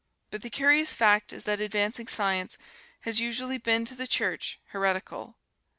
But the curious fact is that advancing Science has usually been to the Church heretical.